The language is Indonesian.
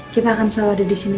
kita akan selalu ada di sini